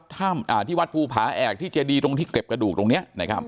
ที่วัดภูผาแอกที่เจดีตรงที่เก็บกระดูกตรงนี้